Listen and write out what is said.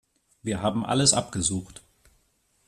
Wir haben alles abgesucht.